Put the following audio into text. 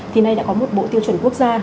thì nay đã có một bộ tiêu chuẩn quốc gia